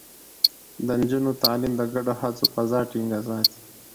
د نجونو تعليم د ګډو هڅو فضا ټينګه ساتي.